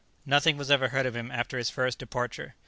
"Nothing was ever heard of him after his first departure.